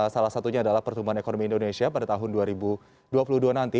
salah satunya adalah pertumbuhan ekonomi indonesia pada tahun dua ribu dua puluh dua nanti